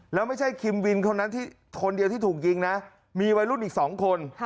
แล้วไม่ใช่คิมวินคนนั้นที่คนเดียวที่ถูกยิงนะมีวัยรุ่นอีก๒คน